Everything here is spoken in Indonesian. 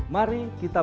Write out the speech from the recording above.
mari kita berbicara